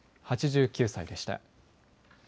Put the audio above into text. ８９歳でした。